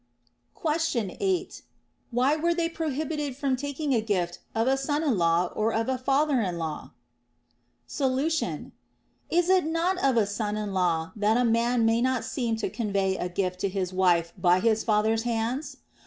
Question 8. Why were they prohibited from taking a gift of a son in law or of a father in law ? Solution. Is it not of a son in law, that a man may not seem to convey a gift to his wife by his father's hands